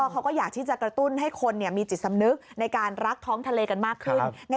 เขาก็อยากที่จะกระตุ้นให้คนมีจิตสำนึกในการรักท้องทะเลกันมากขึ้น